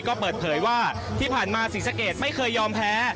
ก็เปิดเผยว่าที่ผ่านมาศรีสะเกดไม่เคยยอมแพ้